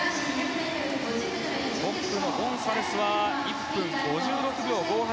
トップのゴンサレスは１分５６秒５８。